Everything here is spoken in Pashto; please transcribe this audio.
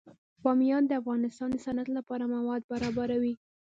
بامیان د افغانستان د صنعت لپاره مواد برابروي.